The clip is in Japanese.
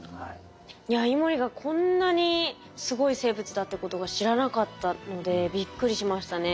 いやイモリがこんなにすごい生物だってことは知らなかったのでびっくりしましたね。